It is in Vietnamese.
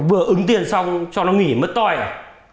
vừa ứng tiền xong cho nó nghỉ mất tôi à